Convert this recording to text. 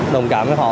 đồng cảm với họ